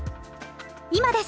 今です！